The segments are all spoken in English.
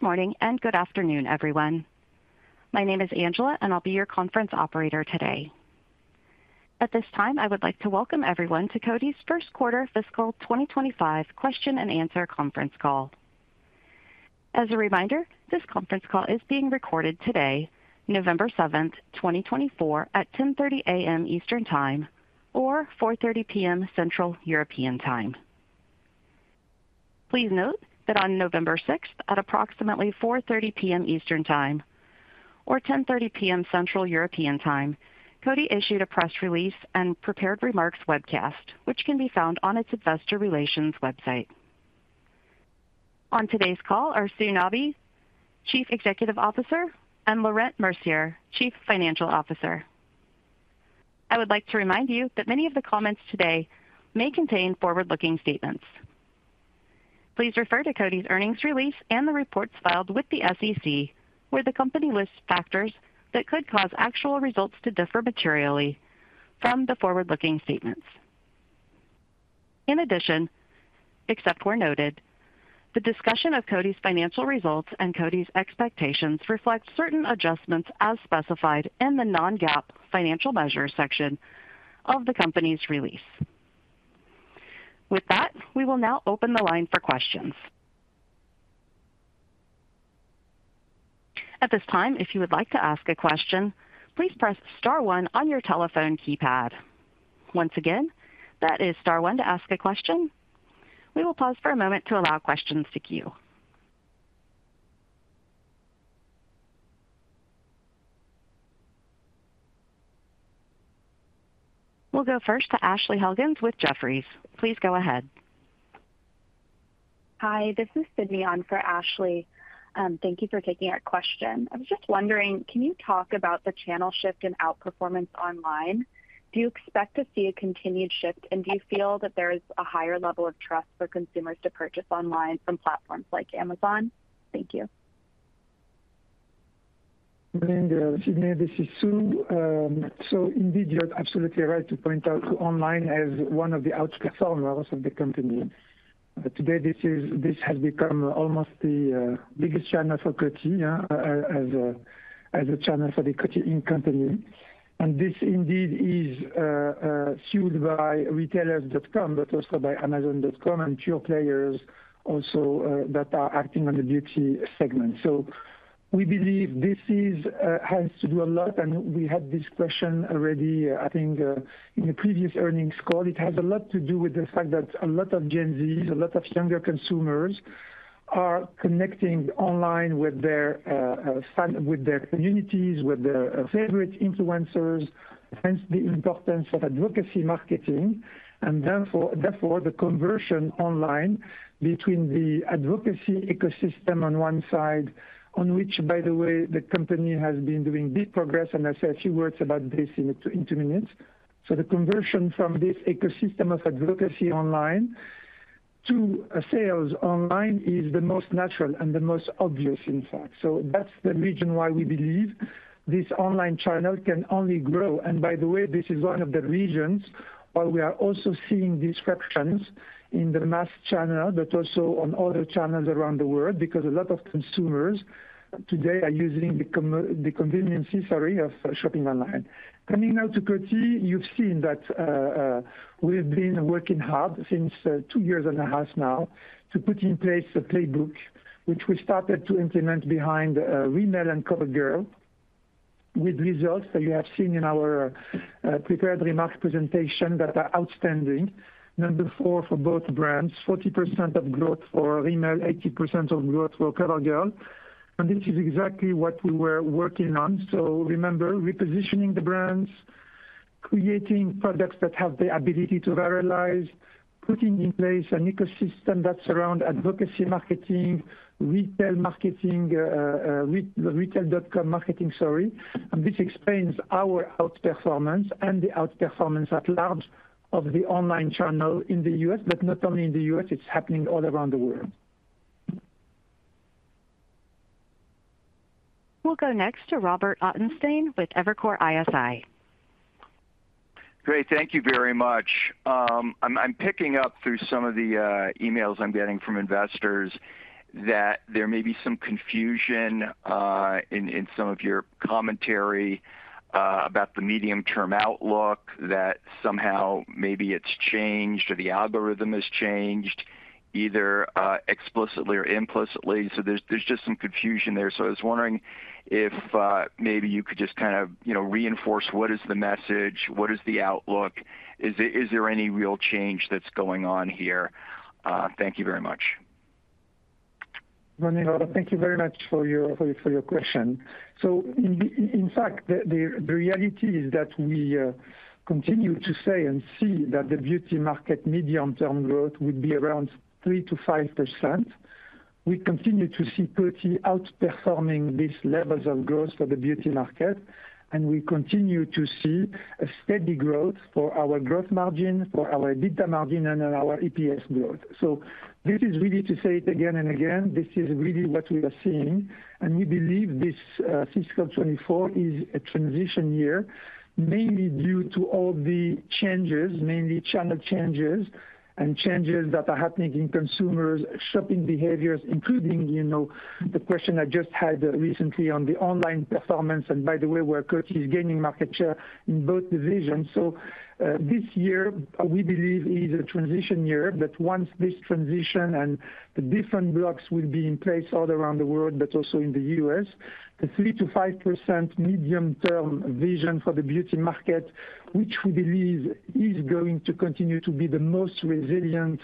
Good morning and good afternoon, everyone. My name is Angela, and I'll be your conference operator today. At this time, I would like to welcome everyone to Coty's first quarter fiscal 2025 question and answer conference call. As a reminder, this conference call is being recorded today, November 7th, 2024, at 10:30 A.M. Eastern Time or 4:30 P.M. Central European Time. Please note that on November 6th, at approximately 4:30 P.M. Eastern Time or 10:30 P.M. Central European Time, Coty issued a press release and prepared remarks webcast, which can be found on its investor relations website. On today's call are Sue Nabi, Chief Executive Officer, and Laurent Mercier, Chief Financial Officer. I would like to remind you that many of the comments today may contain forward-looking statements. Please refer to Coty's earnings release and the reports filed with the SEC, where the company lists factors that could cause actual results to differ materially from the forward-looking statements. In addition, except where noted, the discussion of Coty's financial results and Coty's expectations reflects certain adjustments as specified in the non-GAAP financial measures section of the company's release. With that, we will now open the line for questions. At this time, if you would like to ask a question, please press star one on your telephone keypad. Once again, that is star one to ask a question. We will pause for a moment to allow questions to queue. We'll go first to Ashley Helgans with Jefferies. Please go ahead. Hi, this is Sydney on for Ashley. Thank you for taking our question. I was just wondering, can you talk about the channel shift in outperformance online? Do you expect to see a continued shift, and do you feel that there is a higher level of trust for consumers to purchase online from platforms like Amazon? Thank you. Good afternoon, this is Sue. So indeed, you're absolutely right to point out to online as one of the outperformers of the company. Today, this has become almost the biggest channel for Coty as a channel for the Coty e-com to date. And this indeed is fueled by retailers.com, but also by Amazon.com and pure players also that are acting on the beauty segment. So we believe this has to do a lot, and we had this question already, I think, in the previous earnings call. It has a lot to do with the fact that a lot of Gen Zs, a lot of younger consumers are connecting online with their communities, with their favorite influencers, hence the importance of advocacy marketing, and therefore the conversion online between the advocacy ecosystem on one side, on which, by the way, the company has been doing big progress. I'll say a few words about this in two minutes. The conversion from this ecosystem of advocacy online to sales online is the most natural and the most obvious, in fact. That's the reason why we believe this online channel can only grow. By the way, this is one of the reasons why we are also seeing disruptions in the mass channel, but also on other channels around the world, because a lot of consumers today are using the convenience, sorry, of shopping online. Coming now to Coty, you've seen that we've been working hard since two years and a half now to put in place a playbook, which we started to implement behind Rimmel and CoverGirl, with results that you have seen in our prepared remarks presentation that are outstanding. Number four for both brands, 40% of growth for Rimmel, 80% of growth for CoverGirl. And this is exactly what we were working on. So remember, repositioning the brands, creating products that have the ability to viralize, putting in place an ecosystem that's around advocacy marketing, retail marketing, retail.com marketing, sorry. And this explains our outperformance and the outperformance at large of the online channel in the U.S., but not only in the U.S., it's happening all around the world. We'll go next to Robert Ottenstein with Evercore ISI. Great. Thank you very much. I'm picking up through some of the emails I'm getting from investors that there may be some confusion in some of your commentary about the medium-term outlook, that somehow maybe it's changed or the algorithm has changed, either explicitly or implicitly. So there's just some confusion there. So I was wondering if maybe you could just kind of reinforce what is the message, what is the outlook, is there any real change that's going on here? Thank you very much. Robert, thank you very much for your question. So in fact, the reality is that we continue to say and see that the beauty market medium-term growth would be around 3%-5%. We continue to see Coty outperforming these levels of growth for the beauty market, and we continue to see a steady growth for our gross margin, for our EBITDA margin, and our EPS growth. So this is really to say it again and again, this is really what we are seeing. We believe this fiscal 2024 is a transition year, mainly due to all the changes, mainly channel changes and changes that are happening in consumers' shopping behaviors, including the question I just had recently on the online performance, and by the way, where Coty is gaining market share in both divisions. So, this year, we believe, is a transition year that once this transition and the different blocks will be in place all around the world, but also in the U.S., the 3%-5% medium-term vision for the beauty market, which we believe is going to continue to be the most resilient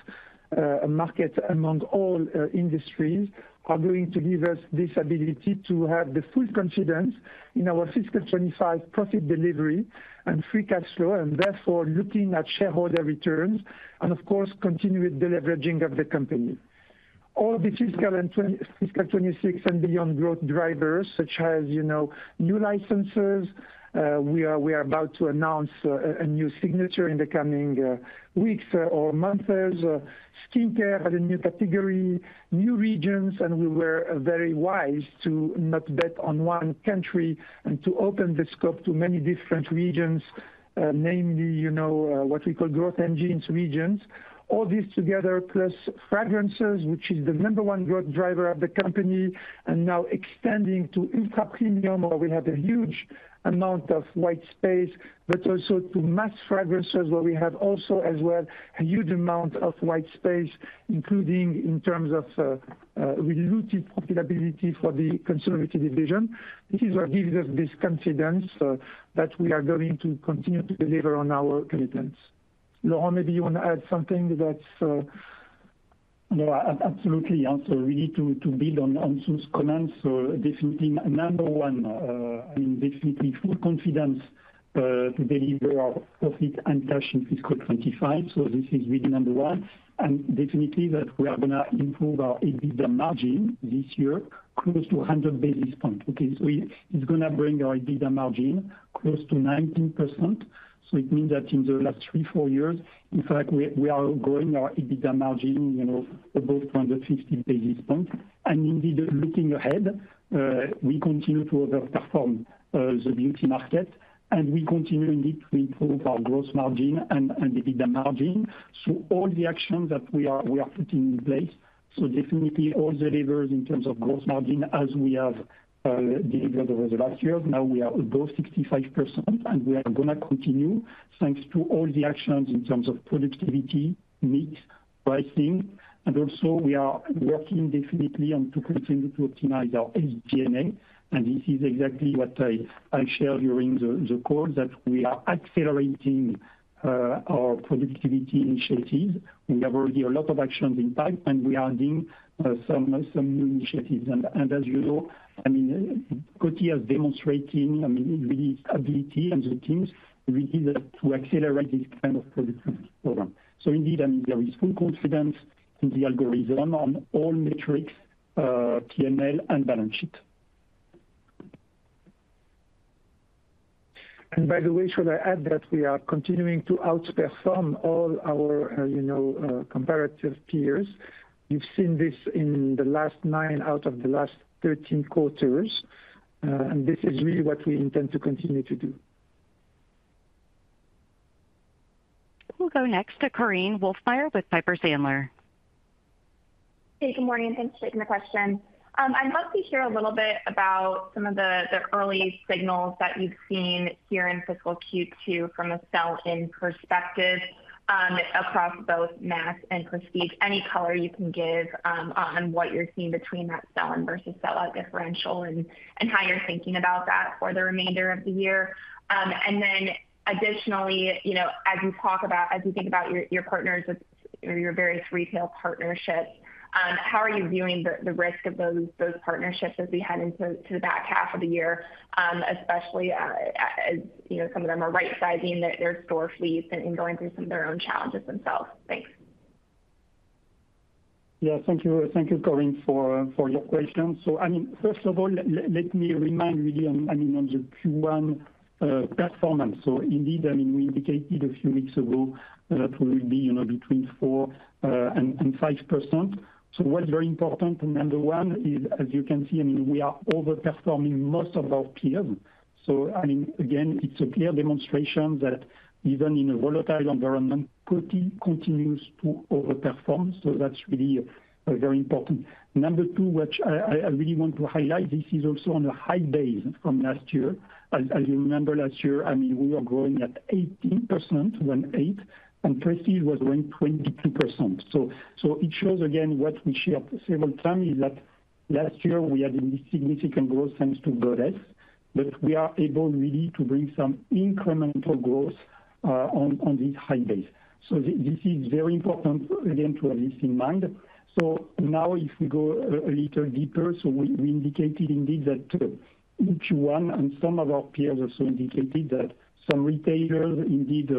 market among all industries, are going to give us this ability to have the full confidence in our fiscal 2025 profit delivery and free cash flow, and therefore looking at shareholder returns, and of course, continued delivering of the company. All the fiscal 2025 and fiscal 2026 and beyond growth drivers, such as new licenses, we are about to announce a new signature in the coming weeks or months, skincare has a new category, new regions, and we were very wise to not bet on one country and to open the scope to many different regions, namely what we call Growth Engines regions. All this together, plus fragrances, which is the number one growth driver of the company, and now extending to ultra premium, where we have a huge amount of white space, but also to mass fragrances, where we have also as well a huge amount of white space, including in terms of robust profitability for the Consumer Beauty division. This is what gives us this confidence that we are going to continue to deliver on our commitments. Laurent, maybe you want to add something that's. No, absolutely. So we need to build on Sue's comments. So definitely number one, I mean, definitely full confidence to deliver our profit and cash in fiscal 2025. So this is really number one. And definitely that we are going to improve our EBITDA margin this year, close to 100 basis points. So it's going to bring our EBITDA margin close to 19%. So it means that in the last three, four years, in fact, we are growing our EBITDA margin above 250 basis points. And indeed, looking ahead, we continue to overperform the beauty market, and we continue indeed to improve our gross margin and EBITDA margin. So all the actions that we are putting in place, so definitely all the levers in terms of gross margin as we have delivered over the last years, now we are above 65%, and we are going to continue thanks to all the actions in terms of productivity, mix, pricing, and also we are working definitely to continue to optimize our SG&A. And this is exactly what I shared during the call, that we are accelerating our productivity initiatives. We have already a lot of actions in the pipeline, and we are adding some new initiatives. And as you know, I mean, Coty has demonstrated, I mean, really its ability and the teams really to accelerate this kind of productivity program. So indeed, I mean, there is full confidence in the algorithm on all metrics, P&L, and balance sheet. And by the way, should I add that we are continuing to outperform all our comparative peers? You've seen this in the last nine out of the last 13 quarters, and this is really what we intend to continue to do. We'll go next to Korinne Wolfmeyer with Piper Sandler. Hey, good morning. Thanks for taking the question. I'd love to hear a little bit about some of the early signals that you've seen here in fiscal Q2 from a sell-in perspective across both mass and Prestige. Any color you can give on what you're seeing between that sell-in versus sell-out differential and how you're thinking about that for the remainder of the year? And then additionally, as you talk about, as you think about your partners with your various retail partnerships, how are you viewing the risk of those partnerships as we head into the back half of the year, especially as some of them are right-sizing their store fleets and going through some of their own challenges themselves? Thanks. Yeah, thank you, Korinne, for your questions. So I mean, first of all, let me remind really, I mean, on the Q1 performance. So indeed, I mean, we indicated a few weeks ago that we will be between 4%-5%. So what's very important to number one is, as you can see, I mean, we are overperforming most of our peers. So I mean, again, it's a clear demonstration that even in a volatile environment, Coty continues to overperform. So that's really very important. Number two, which I really want to highlight, this is also on a high base from last year. As you remember, last year, I mean, we were growing at 18%, 18%, and Prestige was growing 22%. So it shows, again, what we shared several times is that last year we had significant growth thanks to Goddess, but we are able really to bring some incremental growth on this high base. So this is very important, again, to have this in mind. So now if we go a little deeper, so we indicated indeed that Q1 and some of our peers also indicated that some retailers indeed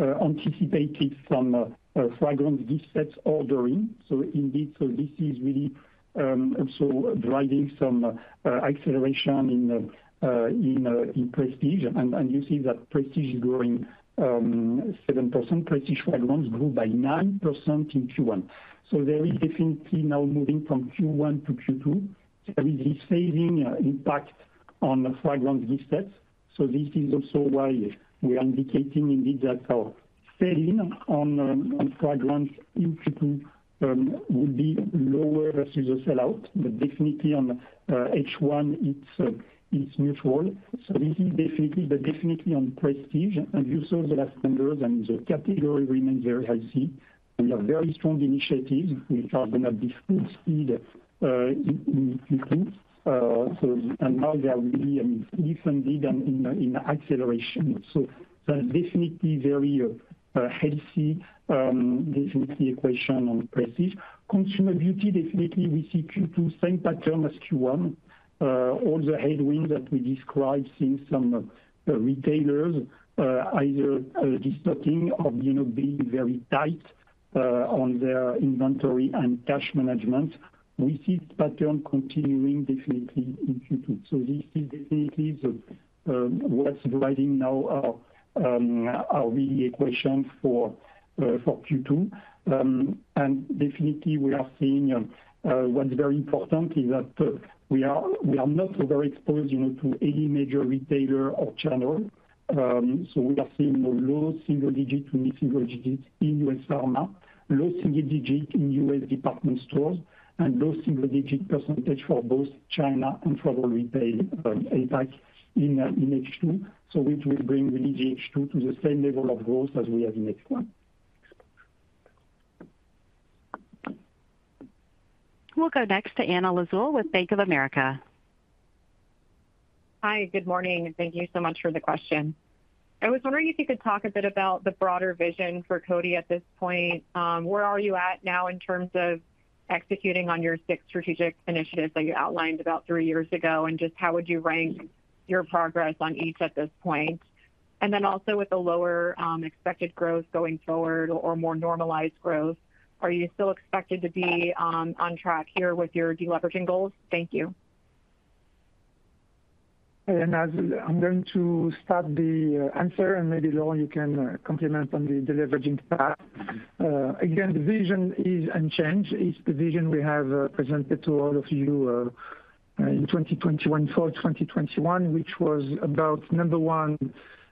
anticipated some fragrance gift sets ordering. So indeed, so this is really also driving some acceleration in Prestige. And you see that Prestige is growing 7%. Prestige fragrance grew by 9% in Q1. So there is definitely now moving from Q1 to Q2. There is this phasing impact on fragrance gift sets. So this is also why we are indicating indeed that our sell-in on fragrance in Q2 would be lower versus the sell-out, but definitely on H1, it's neutral. So this is definitely, but definitely on Prestige, and you saw the last numbers, and the category remains very healthy. We have very strong initiatives. We are going to be full speed in Q2. So now they are really, I mean, fully funded and in acceleration. So that's definitely very healthy, definitely traction on Prestige. Consumer Beauty, definitely we see Q2, same pattern as Q1. All the headwinds that we described seeing some retailers either destocking or being very tight on their inventory and cash management. We see this pattern continuing definitely in Q2. So this is definitely what's driving now our real traction for Q2. And definitely we are seeing what's very important is that we are not overexposed to any major retailer or channel. So we are seeing low single-digit to mid single-digit in U.S. pharma, low single-digit in U.S. department stores, and low single-digit percentage for both China and Travel Retail APAC in H2. So it will bring really the H2 to the same level of growth as we have in H1. We'll go next to Anna Lizzul with Bank of America. Hi, good morning. Thank you so much for the question. I was wondering if you could talk a bit about the broader vision for Coty at this point. Where are you at now in terms of executing on your six strategic initiatives that you outlined about three years ago, and just how would you rank your progress on each at this point? And then also with the lower expected growth going forward or more normalized growth, are you still expected to be on track here with your deleveraging goals? Thank you. And I'm going to start the answer, and maybe Laurent, you can comment on the deleveraging path. Again, the vision is unchanged. It's the vision we have presented to all of you in 2021 for 2021, which was about number one.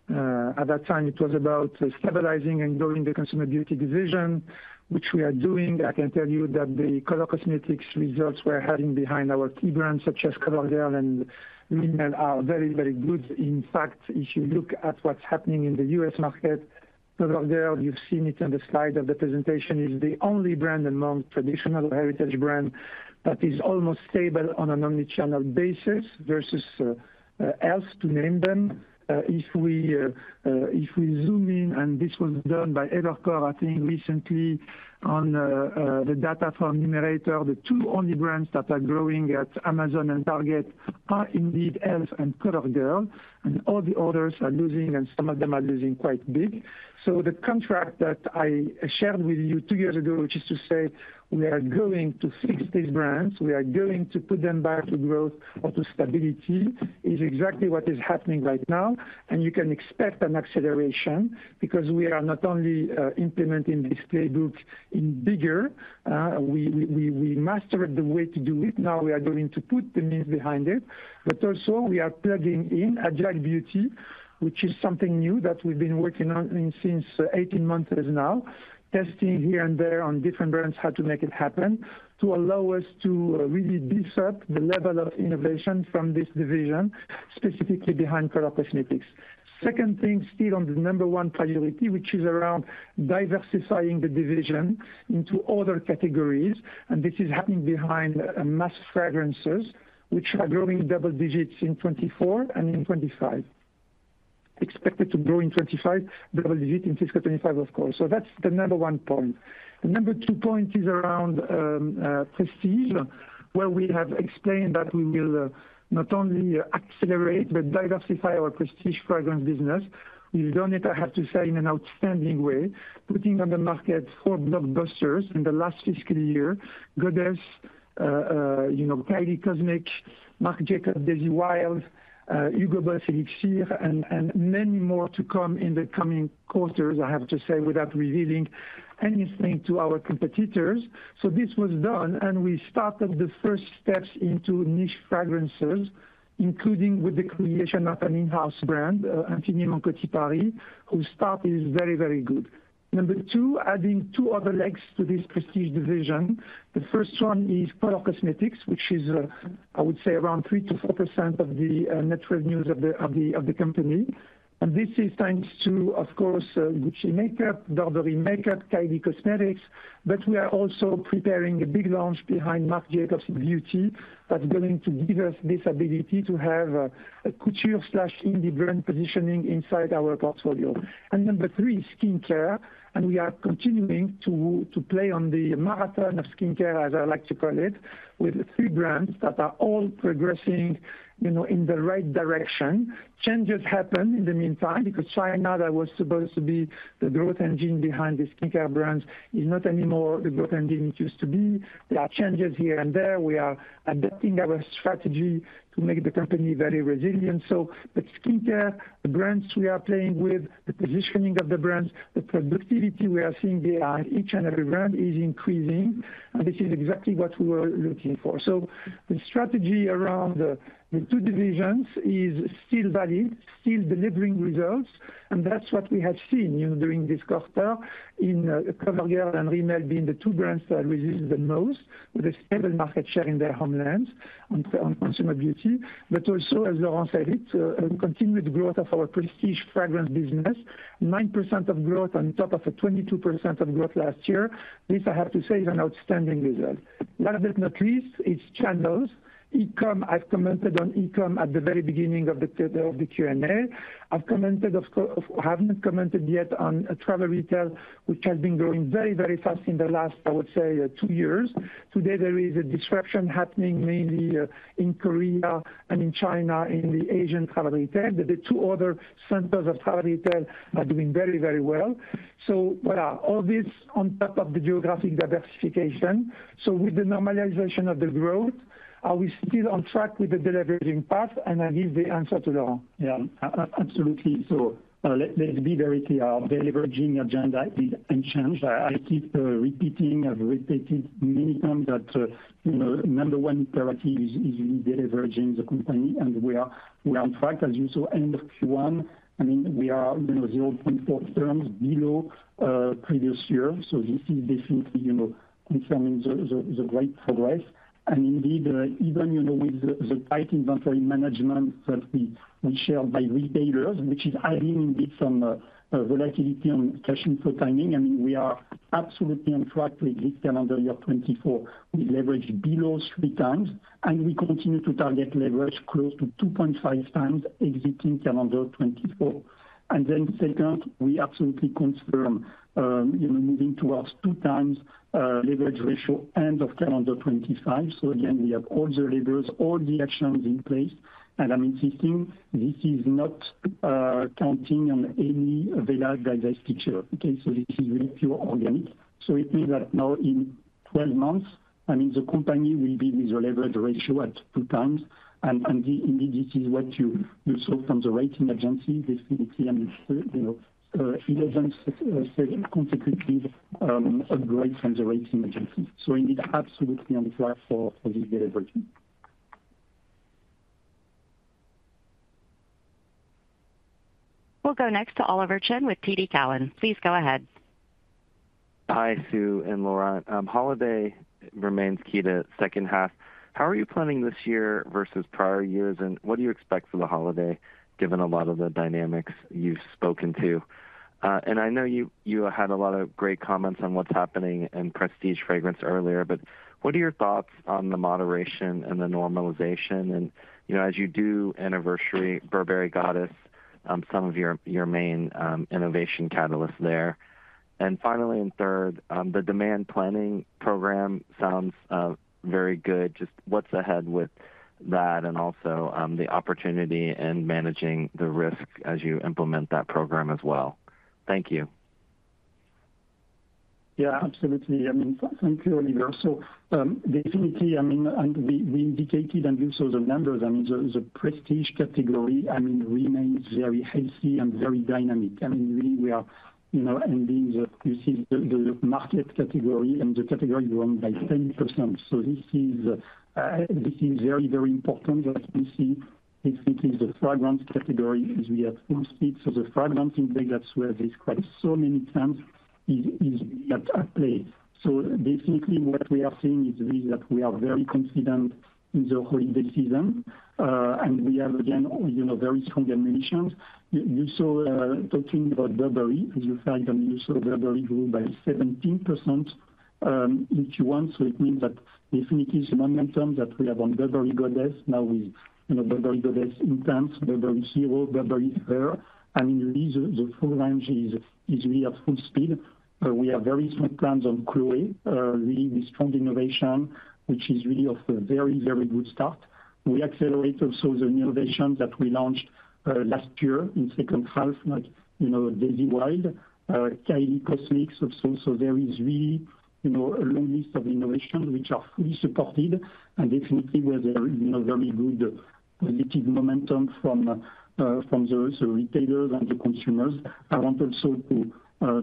At that time, it was about stabilizing and growing the Consumer Beauty division, which we are doing. I can tell you that the color cosmetics results we're having behind our key brands, such as CoverGirl and Rimmel, are very, very good. In fact, if you look at what's happening in the U.S. market, CoverGirl, you've seen it on the slide of the presentation, is the only brand among traditional heritage brands that is almost stable on an omnichannel basis versus e.l.f. to name them. If we zoom in, and this was done by Evercore, I think recently on the data from Numerator, the only two brands that are growing at Amazon and Target are indeed e.l.f. and CoverGirl, and all the others are losing, and some of them are losing quite big. So the contract that I shared with you two years ago, which is to say we are going to fix these brands, we are going to put them back to growth or to stability, is exactly what is happening right now, and you can expect an acceleration because we are not only implementing this playbook in bigger. We mastered the way to do it. Now we are going to put the means behind it, but also we are plugging in Agile Beauty, which is something new that we've been working on since 18 months now, testing here and there on different brands how to make it happen to allow us to really beef up the level of innovation from this division, specifically behind color cosmetics. Second thing, still on the number one priority, which is around diversifying the division into other categories, and this is happening behind mass fragrances, which are growing double digits in 2024 and in 2025. Expected to grow in 2025, double digit in fiscal 2025, of course. So that's the number one point. The number two point is around Prestige, where we have explained that we will not only accelerate, but diversify our Prestige fragrance business. We've done it, I have to say, in an outstanding way, putting on the market four blockbusters in the last fiscal year: Goddess, Kylie Cosmetics, Marc Jacobs, Daisy Wild, Hugo Boss Elixir, and many more to come in the coming quarters, I have to say, without revealing anything to our competitors. So this was done, and we started the first steps into niche fragrances, including with the creation of an in-house brand, Infiniment Coty Paris, whose start is very, very good. Number two, adding two other legs to this Prestige division. The first one is color cosmetics, which is, I would say, around 3% to 4% of the net revenues of the company. This is thanks to, of course, Gucci Makeup, Burberry Makeup, Kylie Cosmetics, but we are also preparing a big launch behind Marc Jacobs Beauty that's going to give us this ability to have a couture slash indie brand positioning inside our portfolio. Number three, skincare, and we are continuing to play on the marathon of skincare, as I like to call it, with three brands that are all progressing in the right direction. Changes happen in the meantime because China, that was supposed to be the growth engine behind the skincare brands, is not anymore the growth engine it used to be. There are changes here and there. We are adapting our strategy to make the company very resilient. But skincare, the brands we are playing with, the positioning of the brands, the productivity we are seeing behind each and every brand is increasing, and this is exactly what we were looking for. So the strategy around the two divisions is still valid, still delivering results, and that's what we have seen during this quarter in CoverGirl and Rimmel being the two brands that resist the most with a stable market share in their homelands on Consumer Beauty. But also, as Laurent said it, continued growth of our Prestige fragrance business, 9% of growth on top of a 22% of growth last year. This, I have to say, is an outstanding result. Last but not least, it's channels. E-com, I've commented on e-com at the very beginning of the Q&A. I've commented, of course. I have not commented yet on travel retail, which has been growing very, very fast in the last, I would say, two years. Today, there is a disruption happening mainly in Korea and in China in the Asian travel retail. The two other centers of travel retail are doing very, very well. So all this on top of the geographic diversification. So with the normalization of the growth, are we still on track with the deleveraging path? And I give the answer to Laurent. Yeah, absolutely, so let's be very clear. Our deleveraging agenda is unchanged. I keep repeating. I've repeated many times that number one priority is really deleveraging the company, and we are on track. As you saw, end of Q1, I mean, we are 0.4 turns below previous year. So this is definitely confirming the great progress. Indeed, even with the tight inventory management that we shared by retailers, which is adding indeed some volatility on cash inflow timing, I mean, we are absolutely on track to exit calendar year 2024 with leverage below three times, and we continue to target leverage close to 2.5 times exiting calendar 2024. Then second, we absolutely confirm moving towards two times leverage ratio end of calendar 2025. Again, we have all the levers, all the actions in place, and I'm insisting this is not counting on any available divestiture. This is really purely organic. It means that now in 12 months, I mean, the company will be with a leverage ratio at two times. Indeed, this is what you saw from the rating agencies. Definitely, I mean, 11 consecutive upgrades from the rating agencies. Indeed, absolutely on track for this delivery. We'll go next to Oliver Chen with TD Cowen. Please go ahead. Hi, Sue and Laurent. Holiday remains key to second half. How are you planning this year versus prior years, and what do you expect for the holiday given a lot of the dynamics you've spoken to? And I know you had a lot of great comments on what's happening in Prestige fragrance earlier, but what are your thoughts on the moderation and the normalization? And as you do anniversary Burberry Goddess, some of your main innovation catalysts there. And finally, and third, the demand planning program sounds very good. Just what's ahead with that and also the opportunity and managing the risk as you implement that program as well? Thank you. Yeah, absolutely. I mean, thank you, Oliver. So definitely, I mean, and we indicated and you saw the numbers. I mean, the Prestige category, I mean, remains very healthy and very dynamic. I mean, really, we are ending the market category and the category growing by 10%. So this is very, very important that we see it is the fragrance category as we have fulfilled. So the fragrance index, that's where this quite so many times is at play. So definitely, what we are seeing is that we are very confident in the holiday season, and we have, again, very strong ammunitions. You saw talking about Burberry, as you saw, you saw Burberry grew by 17% in Q1. So it means that definitely the momentum that we have on Burberry Goddess now is Burberry Goddess Intense, Burberry Hero, Burberry Her. I mean, really, the full range is really at full speed. We have very strong plans on Chloé, really with strong innovation, which is really of a very, very good start. We accelerate also the innovations that we launched last year in second half, like Daisy Wild, Kylie Cosmetics. So there is really a long list of innovations which are fully supported and definitely with a very good positive momentum from the retailers and the consumers. I want also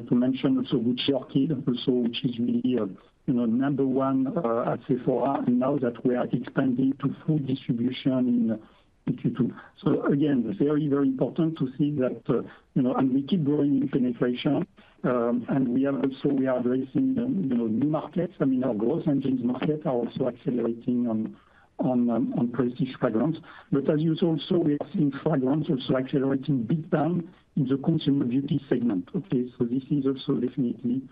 to mention also Gucci Orchid, also, which is really number one at Sephora and now that we are expanding to full distribution in Q2. So again, very, very important to see that, and we keep growing in penetration, and we are also addressing new markets. I mean, our Growth Engines market are also accelerating on Prestige fragrance. But as you saw also, we are seeing fragrance also accelerating big time in the Consumer Beauty segment. So this is also definitely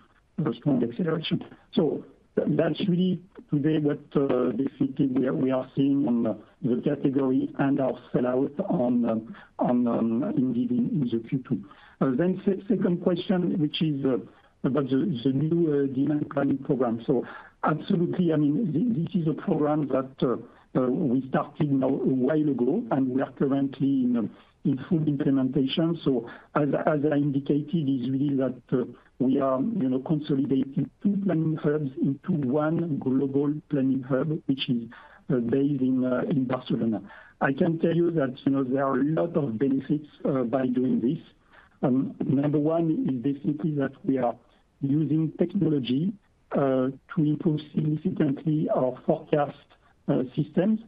a strong acceleration. So that's really today what definitely we are seeing on the category and our sell-out indeed in the Q2. Then second question, which is about the new demand planning program. So absolutely, I mean, this is a program that we started now a while ago, and we are currently in full implementation. So as I indicated, it's really that we are consolidating two planning hubs into one global planning hub, which is based in Barcelona. I can tell you that there are a lot of benefits by doing this. Number one is definitely that we are using technology to improve significantly our forecast systems.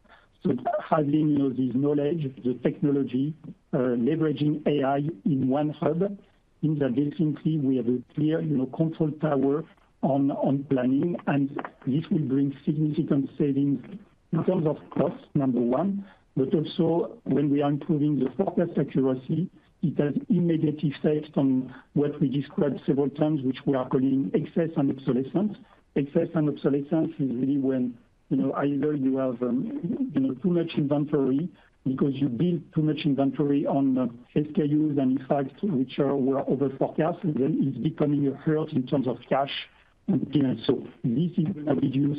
So having this knowledge, the technology, leveraging AI in one hub, means that definitely we have a clear control power on planning, and this will bring significant savings in terms of cost, number one. But also, when we are improving the forecast accuracy, it has immediate effect on what we described several times, which we are calling excess and obsolescence. Excess and obsolescence is really when either you have too much inventory because you build too much inventory on SKUs and in fact, which were over forecast, it's becoming a hurt in terms of cash and demand. So this is going to reduce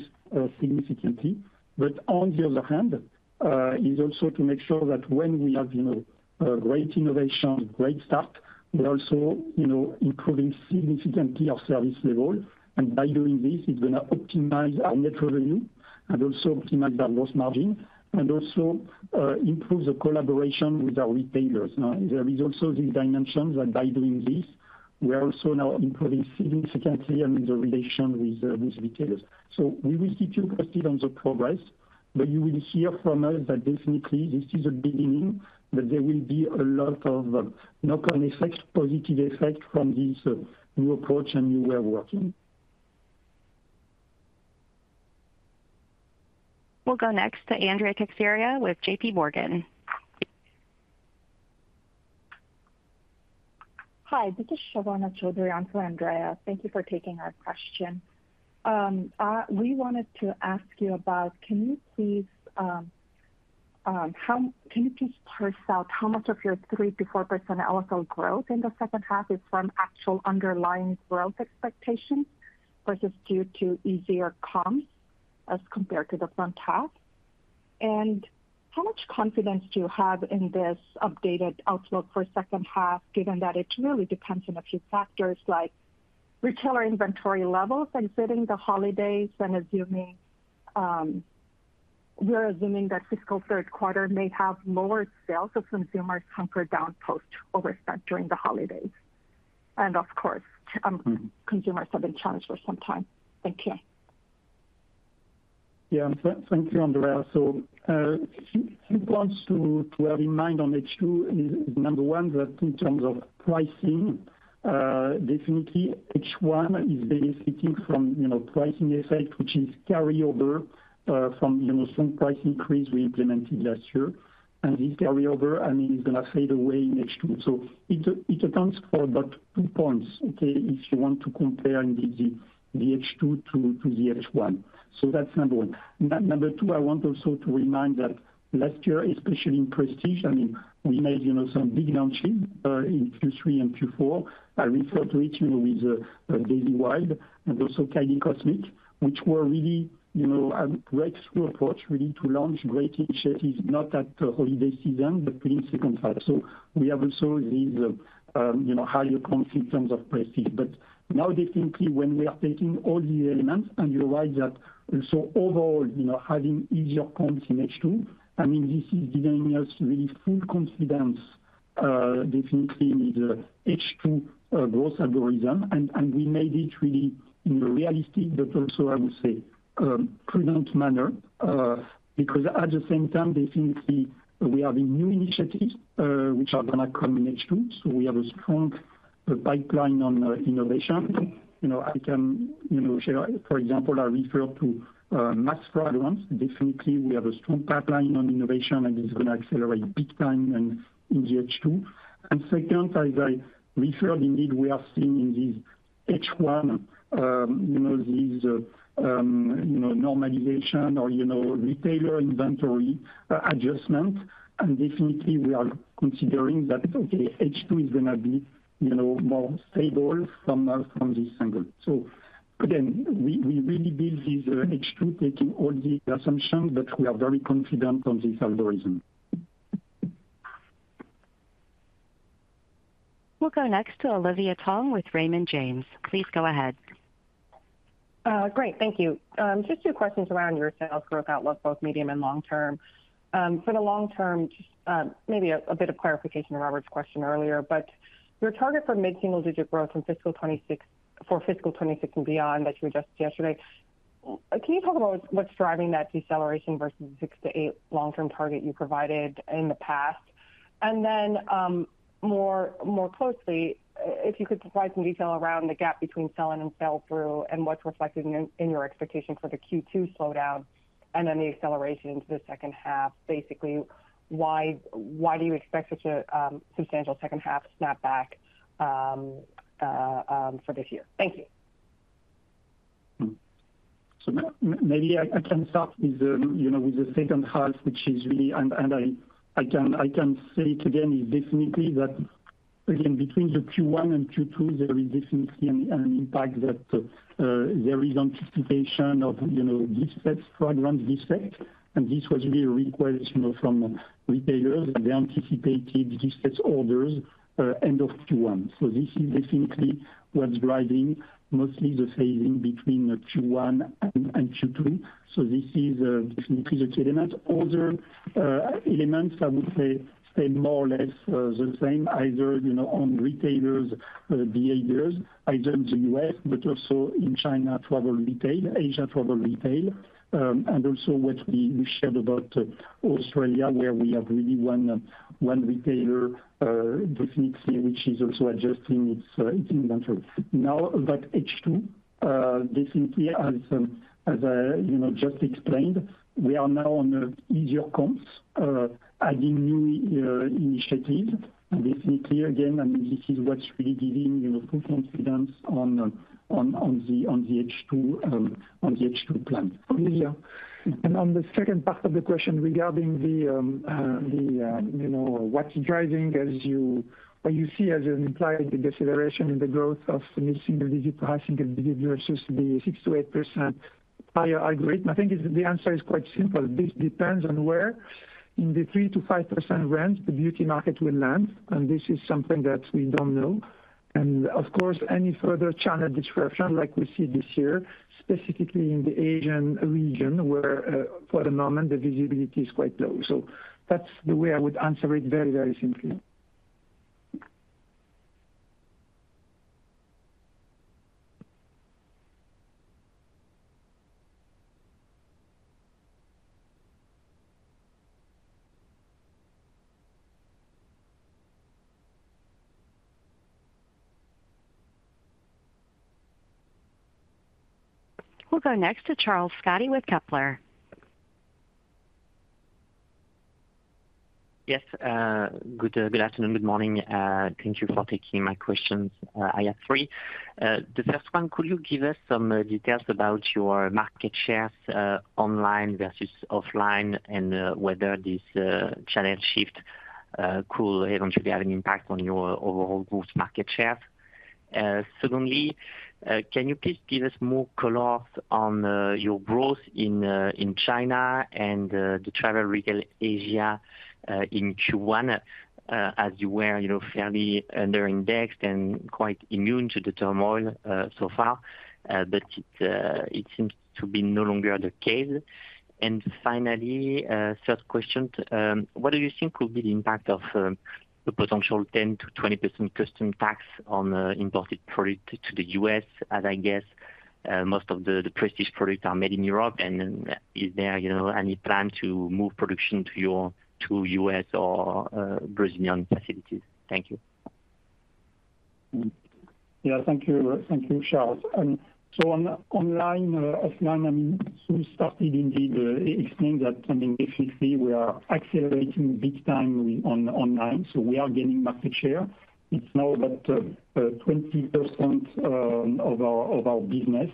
significantly. But on the other hand, it's also to make sure that when we have great innovation, great start, we're also improving significantly our service level. By doing this, it's going to optimize our net revenue and also optimize our gross margin and also improve the collaboration with our retailers. There is also this dimension that by doing this, we are also now improving significantly in the relation with retailers. We will keep you posted on the progress, but you will hear from us that definitely this is a beginning, but there will be a lot of knock-on effect, positive effect from this new approach and new way of working. We'll go next to Andrea Teixeira with JPMorgan. Hi, this is Shovana Chowdhury. I'm from Andrea Teixeira. Thank you for taking our question. We wanted to ask you about, can you please, can you just parse out how much of your 3%-4% LSL growth in the second half is from actual underlying growth expectations versus due to easier comps as compared to the front half? And how much confidence do you have in this updated outlook for second half, given that it really depends on a few factors like retailer inventory levels and fitting the holidays? And we're assuming that fiscal third quarter may have lower sales if consumers hunker down post overspend during the holidays. And of course, consumers have been challenged for some time. Thank you. Yeah, thank you, Andrea. So two points to have in mind on H2 is number one, that in terms of pricing, definitely H1 is benefiting from pricing effect, which is carryover from strong price increase we implemented last year. And this carryover, I mean, is going to fade away in H2. So it accounts for about two points if you want to compare indeed the H2 to the H1. So that's number one. Number two, I want also to remind that last year, especially in Prestige, I mean, we made some big launches in Q3 and Q4. I refer to it with Daisy Wild and also Kylie Cosmetics, which were really a breakthrough approach really to launch great initiatives, not at the holiday season, but in second half. So we have also these higher comps in terms of Prestige. But now, definitely, when we are taking all these elements, and you're right that also overall having easier comps in H2, I mean, this is giving us really full confidence definitely in the H2 growth algorithm. And we made it really in a realistic, but also I would say prudent manner because at the same time, definitely we are having new initiatives which are going to come in H2. So we have a strong pipeline on innovation. I can, for example, I refer to mass fragrance. Definitely, we have a strong pipeline on innovation and it's going to accelerate big time in the H2. And second, as I referred, indeed, we are seeing in this H1 normalization or retailer inventory adjustment. And definitely, we are considering that H2 is going to be more stable from this angle. So again, we really build this H2 taking all these assumptions, but we are very confident on this algorithm. We'll go next to Olivia Tong with Raymond James. Please go ahead. Great. Thank you. Just two questions around your sales growth outlook, both medium and long term. For the long term, just maybe a bit of clarification to Robert's question earlier, but your target for mid-single digit growth from fiscal 2026 for fiscal 2026 and beyond that you adjusted yesterday, can you talk about what's driving that deceleration versus the six to eight long-term target you provided in the past? And then more closely, if you could provide some detail around the gap between sell-in and sell-out and what's reflected in your expectation for the Q2 slowdown and then the acceleration into the second half, basically why do you expect such a substantial second half snapback for this year? Thank you. So maybe I can start with the second half, which is really, and I can say it again, is definitely that again, between the Q1 and Q2, there is definitely an impact that there is anticipation of gift sets fragrance effect. And this was really a request from retailers, and they anticipated gift sets orders end of Q1. So this is definitely what's driving mostly the phasing between Q1 and Q2. So this is definitely the key element. Other elements, I would say, stay more or less the same, either on retailers behaviors, either in the U.S., but also in China travel retail, Asia travel retail, and also what we shared about Australia, where we have really one retailer definitely which is also adjusting its inventory. Now that H2 definitely, as I just explained, we are now on easier comps, adding new initiatives. Definitely, again, I mean, this is what's really giving full confidence on the H2 plan. Olivia and on the second part of the question regarding what's driving as you see as an implied deceleration in the growth of the mid-single digit to high single digit versus the 6%-8% higher algorithm, I think the answer is quite simple. This depends on where in the 3%-5% range the beauty market will land. And this is something that we don't know. And of course, any further channel disruption like we see this year, specifically in the Asian region, where for the moment the visibility is quite low. So that's the way I would answer it very, very simply. We'll go next to Charles Scotti with Kepler. Yes. Good afternoon, good morning. Thank you for taking my questions. I have three. The first one, could you give us some details about your market shares online versus offline and whether this channel shift could eventually have an impact on your overall growth market shares? Secondly, can you please give us more colors on your growth in China and the Travel Retail Asia in Q1, as you were fairly under-indexed and quite immune to the turmoil so far, but it seems to be no longer the case? And finally, third question, what do you think will be the impact of a potential 10%-20% customs tax on imported products to the U.S., as I guess most of the Prestige products are made in Europe? And is there any plan to move production to your U.S. or Brazilian facilities? Thank you. Yeah, thank you, Charles. So online, offline, I mean, we started indeed explaining that definitely we are accelerating big time online. So we are gaining market share. It's now about 20% of our business,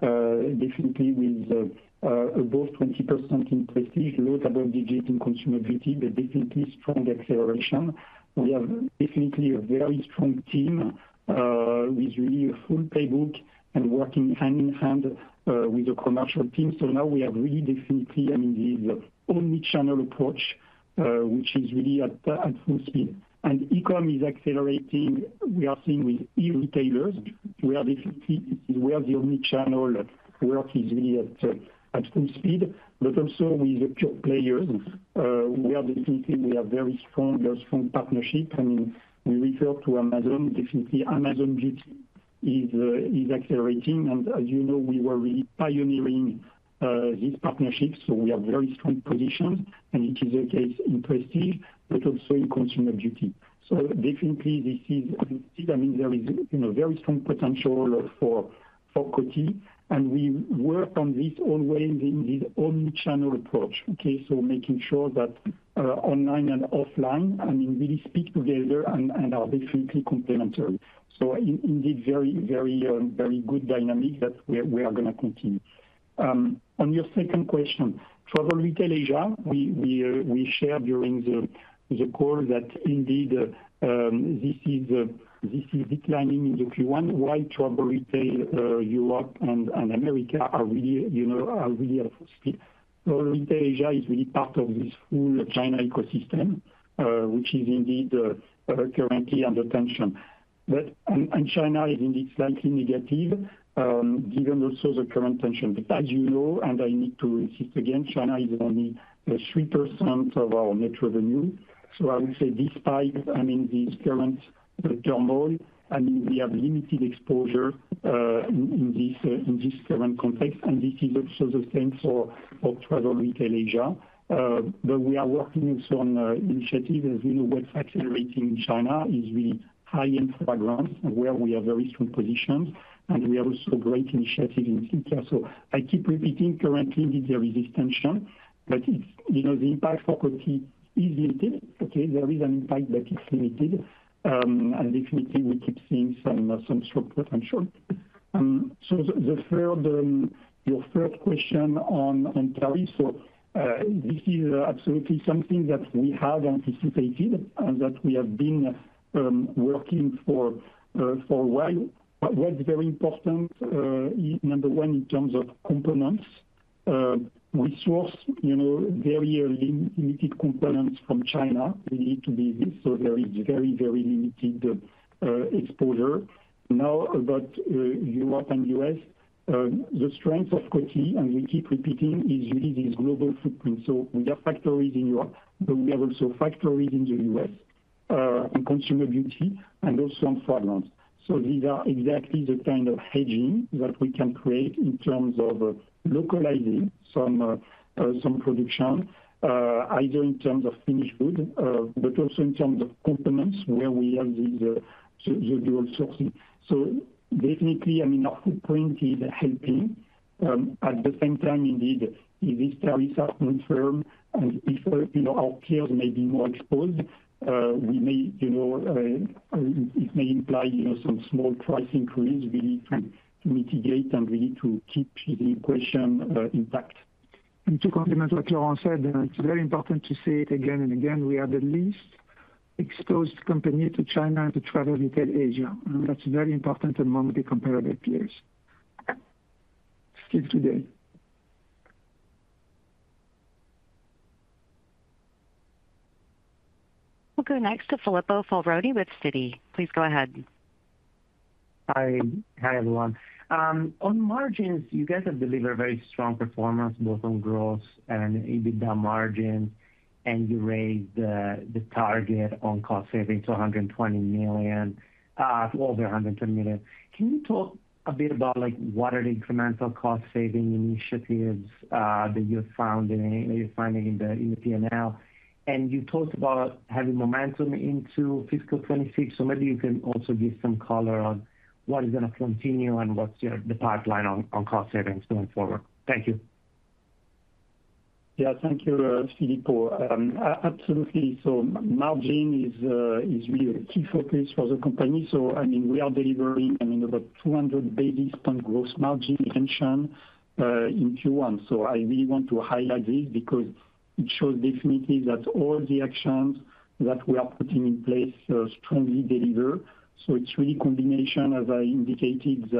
definitely with above 20% in Prestige, low double digit in Consumer Beauty, but definitely strong acceleration. We have definitely a very strong team with really a full playbook and working hand in hand with the commercial team. So now we have really definitely, I mean, this omnichannel approach, which is really at full speed. And e-com is accelerating. We are seeing with e-retailers, where definitely this is where the omnichannel work is really at full speed, but also with the pure players. We are definitely, we have very strong partnership. I mean, we refer to Amazon, definitely Amazon Beauty is accelerating. And as you know, we were really pioneering this partnership. We have very strong positions, and it is the case in Prestige, but also in Consumer Beauty. So definitely this is, I mean, there is very strong potential for Coty, and we work on this always in this omnichannel approach, okay? So making sure that online and offline, I mean, really speak together and are definitely complementary. So indeed, very, very, very good dynamic that we are going to continue. On your second question, Travel Retail Asia, we shared during the call that indeed this is declining in the Q1, while Travel Retail Europe and America are really at full speed. Travel Retail Asia is really part of this full China ecosystem, which is indeed currently under tension. And China is indeed slightly negative given also the current tension. But as you know, and I need to insist again, China is only 3% of our net revenue. So I would say despite, I mean, this current turmoil, I mean, we have limited exposure in this current context, and this is also the same for Travel Retail Asia, but we are working on initiatives, as you know, what's accelerating in China is really high-end fragrance, where we have very strong positions, and we have also great initiatives in the future, so I keep repeating, currently indeed there is this tension, but the impact for Coty is limited. Okay, there is an impact, but it's limited, and definitely, we keep seeing some strong potential, so your third question on tariffs, so this is absolutely something that we had anticipated and that we have been working for a while. What's very important, number one, in terms of components, we source very limited components from China. We need to be there. So there is very, very limited exposure. Now about Europe and U.S., the strength of Coty, and we keep repeating, is really this global footprint. So we have factories in Europe, but we have also factories in the U.S. on Consumer Beauty and also on fragrance. So these are exactly the kind of hedging that we can create in terms of localizing some production, either in terms of finished goods, but also in terms of components where we have the dual sourcing. So definitely, I mean, our footprint is helping. At the same time, indeed, if these tariffs are confirmed and if our players may be more exposed, it may imply some small price increase really to mitigate and really to keep the impression intact. To complement what Laurent said, it's very important to say it again and again, we are the least exposed company to China and to Travel Retail Asia. That's very important among the comparable peers. Still today. We'll go next to Filippo Falorni with Citi. Please go ahead. Hi, everyone. On margins, you guys have delivered very strong performance both on growth and EBITDA margins, and you raised the target on cost savings to $120 million, over $120 million. Can you talk a bit about what are the incremental cost saving initiatives that you're finding in the P&L? And you talked about having momentum into fiscal 2026, so maybe you can also give some color on what is going to continue and what's the pipeline on cost savings going forward? Thank you. Yeah, thank you, Filippo. Absolutely. So margin is really a key focus for the company. So I mean, we are delivering about 200 basis points gross margin expansion in Q1. So I really want to highlight this because it shows definitely that all the actions that we are putting in place strongly deliver. So it's really a combination, as I indicated,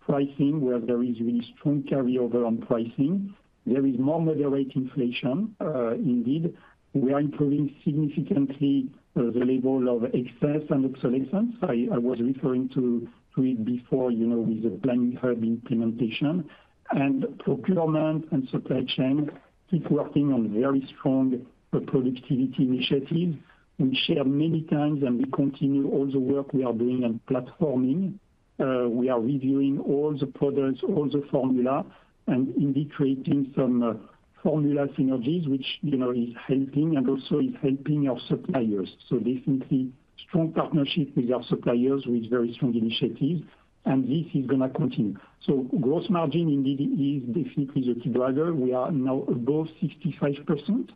pricing, where there is really strong carryover on pricing. There is more moderate inflation, indeed. We are improving significantly the level of excess and obsolescence. I was referring to it before with the planning hub implementation. And procurement and supply chain keep working on very strong productivity initiatives. We shared many times, and we continue all the work we are doing on platforming. We are reviewing all the products, all the formula, and indeed creating some formula synergies, which is helping and also is helping our suppliers. So definitely strong partnership with our suppliers with very strong initiatives, and this is going to continue. So gross margin indeed is definitely the key driver. We are now above 65%,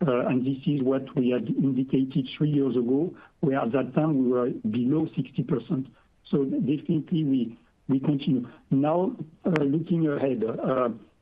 and this is what we had indicated three years ago, where at that time we were below 60%. So definitely we continue. Now, looking ahead,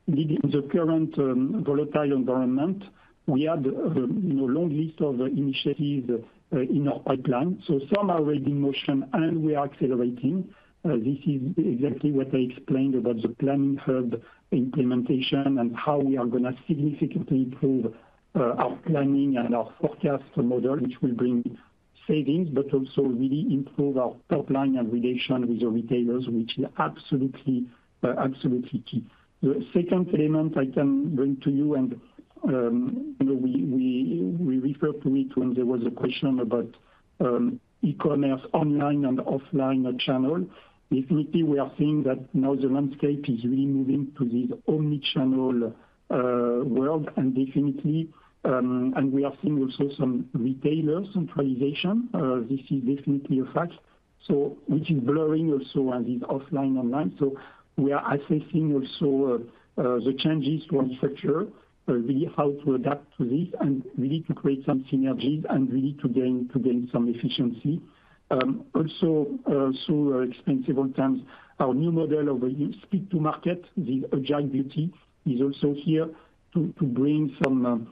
in the current volatile environment, we had a long list of initiatives in our pipeline. So some are already in motion, and we are accelerating. This is exactly what I explained about the planning hub implementation and how we are going to significantly improve our planning and our forecast model, which will bring savings, but also really improve our pipeline and relation with the retailers, which is absolutely key. The second element I can bring to you, and we refer to it when there was a question about e-commerce online and offline channel. Definitely, we are seeing that now the landscape is really moving to this omnichannel world, and definitely, we are seeing also some retailer centralization. This is definitely a fact, which is blurring also on these offline and online. So we are assessing also the changes to architecture, really how to adapt to this and really to create some synergies and really to gain some efficiency. Also, so expensive all times, our new model of a speed-to-market, the Agile Beauty, is also here to bring some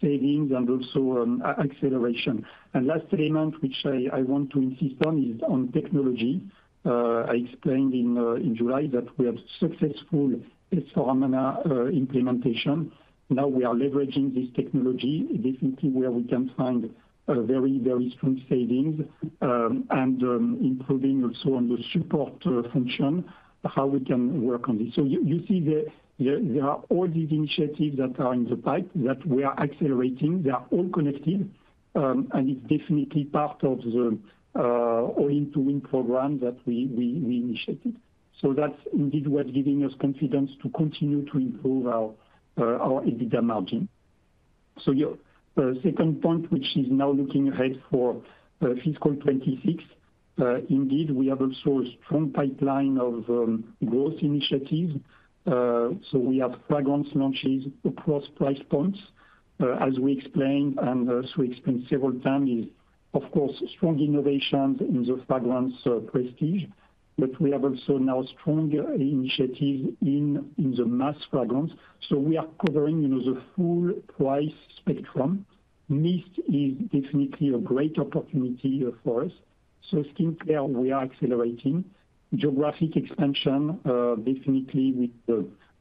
savings and also acceleration. And last element, which I want to insist on, is on technology. I explained in July that we had successful S/4HANA implementation. Now we are leveraging this technology, definitely where we can find very, very strong savings and improving also on the support function, how we can work on this. You see there are all these initiatives that are in the pipeline that we are accelerating. They are all connected, and it's definitely part of the All-in-to-Win program that we initiated. That's indeed what's giving us confidence to continue to improve our EBITDA margin. Second point, which is now looking ahead for fiscal 2026, indeed, we have also a strong pipeline of growth initiatives. We have fragrance launches across price points, as we explained, and as we explained several times, of course, strong innovations in the Prestige fragrance, but we have also now strong initiatives in the mass fragrance. We are covering the full price spectrum. Mist is definitely a great opportunity for us. Skincare, we are accelerating. Geographic expansion, definitely with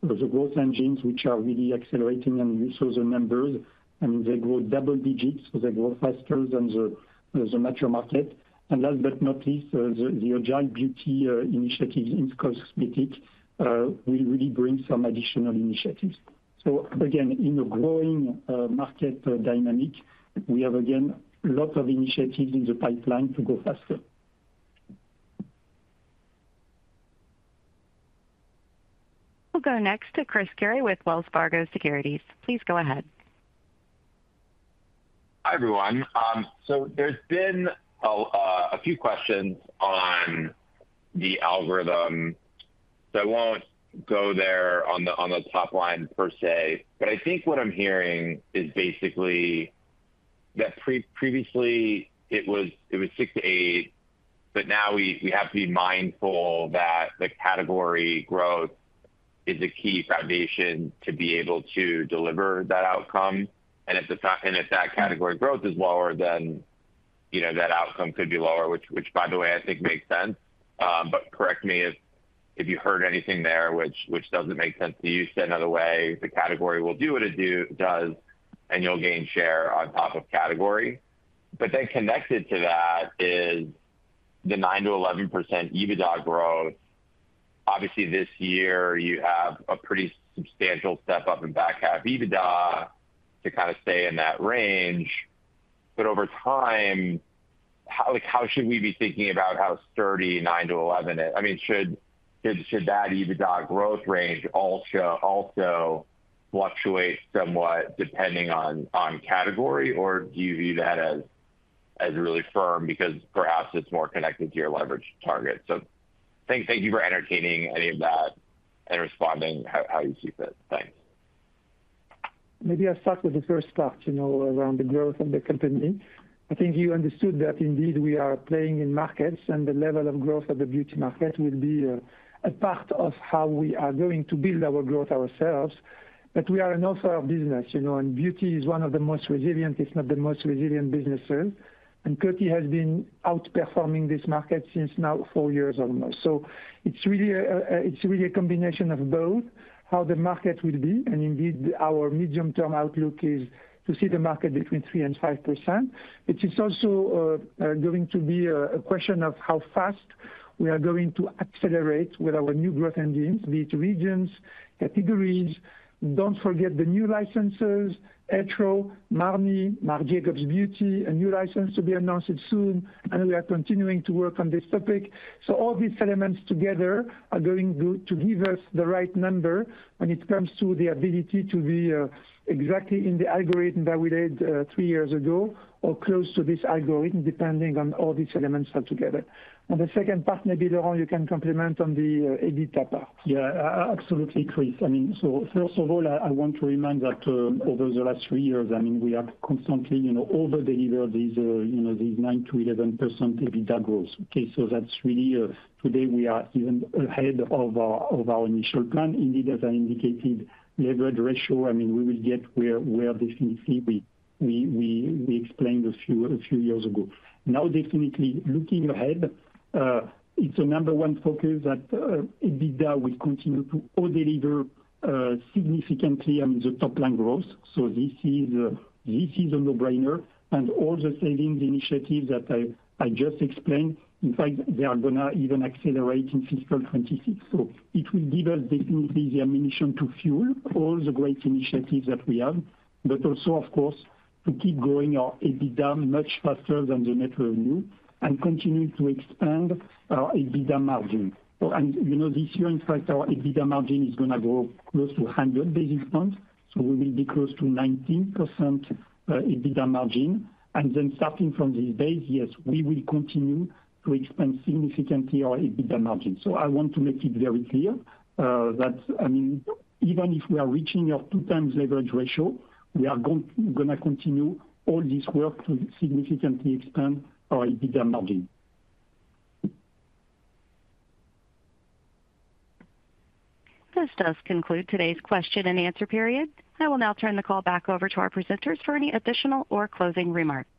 the Growth Engines, which are really accelerating and you saw the numbers, and they grow double digits, so they grow faster than the major market. And last but not least, the Agile Beauty initiatives in cosmetics will really bring some additional initiatives. So again, in a growing market dynamic, we have again a lot of initiatives in the pipeline to go faster. We'll go next to Chris Carey with Wells Fargo Securities. Please go ahead. Hi everyone. So there's been a few questions on the algorithm. So I won't go there on the top line per se, but I think what I'm hearing is basically that previously it was 6%-8%, but now we have to be mindful that the category growth is a key foundation to be able to deliver that outcome. And if that category growth is lower, then that outcome could be lower, which, by the way, I think makes sense. But correct me if you heard anything there which doesn't make sense to you. Said another way, the category will do what it does, and you'll gain share on top of category. But then connected to that is the 9%-11% EBITDA growth. Obviously, this year, you have a pretty substantial step up in back half EBITDA to kind of stay in that range. But over time, how should we be thinking about how sturdy 9%-11% is? I mean, should that EBITDA growth range also fluctuate somewhat depending on category, or do you view that as really firm because perhaps it's more connected to your leverage target? So thank you for entertaining any of that and responding how you see fit. Thanks. Maybe I'll start with the first part around the growth of the company. I think you understood that indeed we are playing in markets, and the level of growth of the beauty market will be a part of how we are going to build our growth ourselves. But we are an offense business, and beauty is one of the most resilient, if not the most resilient businesses. And Coty has been outperforming this market since now four years almost. So it's really a combination of both, how the market will be. And indeed, our medium-term outlook is to see the market between 3% and 5%. But it's also going to be a question of how fast we are going to accelerate with our new Growth Engines, be it regions, categories. Don't forget the new licenses, Etro, Marni, Marc Jacobs Beauty, a new license to be announced soon, and we are continuing to work on this topic. So all these elements together are going to give us the right number when it comes to the ability to be exactly in the algorithm that we laid three years ago or close to this algorithm, depending on all these elements altogether. And the second part, maybe Laurent, you can complement on the EBITDA part. Yeah, absolutely. Chris. I mean, so first of all, I want to remind that over the last three years, I mean, we have constantly over-delivered these 9%-11% EBITDA growth. Okay, so that's really today we are even ahead of our initial plan. Indeed, as I indicated, leverage ratio, I mean, we will get where definitely we explained a few years ago. Now, definitely looking ahead, it's a number one focus that EBITDA will continue to over-deliver significantly on the top line growth. So this is a no-brainer. And all the savings initiatives that I just explained, in fact, they are going to even accelerate in fiscal 2026. So it will give us definitely the ammunition to fuel all the great initiatives that we have, but also, of course, to keep growing our EBITDA much faster than the net revenue and continue to expand our EBITDA margin. And this year, in fact, our EBITDA margin is going to grow close to 100 basis points. So we will be close to 19% EBITDA margin. And then starting from this base, yes, we will continue to expand significantly our EBITDA margin. So I want to make it very clear that, I mean, even if we are reaching our two times leverage ratio, we are going to continue all this work to significantly expand our EBITDA margin. This does conclude today's question and answer period. I will now turn the call back over to our presenters for any additional or closing remarks.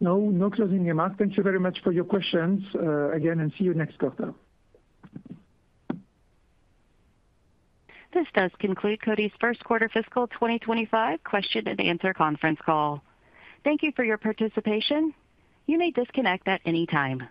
No, no closing remarks. Thank you very much for your questions. Again, and see you next quarter. This does conclude Coty's first quarter fiscal 2025 question and answer conference call. Thank you for your participation. You may disconnect at any time.